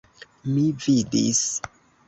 Mi vidis!